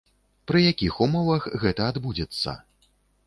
Пры якіх умовах гэта адбудзецца.